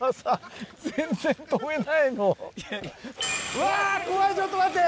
うわ怖いちょっと待って。